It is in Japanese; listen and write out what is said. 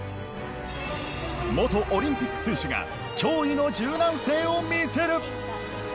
元オリンピック選手が驚異の柔軟性を見せる！